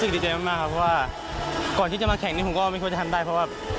ดีใจมากครับเพราะว่าก่อนที่จะมาแข่งนี้ผมก็ไม่ควรจะทำได้เพราะว่า